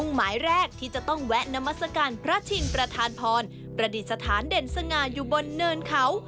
หมายแรกที่จะต้องแวะนามัศกาลพระชิงประธานพรประดิษฐานเด่นสง่าอยู่บนเนินเขา